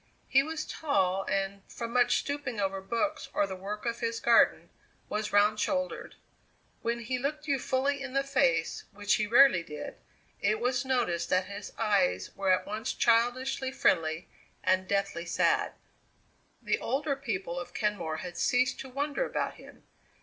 He was tall and, from much stooping over books or the work of his garden, was round shouldered. When he looked you fully in the face, which he rarely did, it was noticed that his eyes were at once childishly friendly and deathly sad. The older people of Kenmore had ceased to wonder about him.